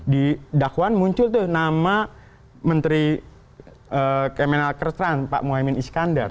di dakwan muncul tuh nama menteri kemenal kertran pak mohamad iskandar